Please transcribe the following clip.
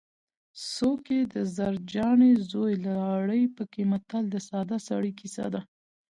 څوک یې د زرجانې زوی لاړې پکې متل د ساده سړي کیسه ده